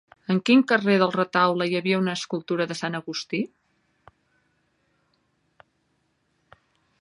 En quin carrer del retaule hi havia una escultura de sant Agustí?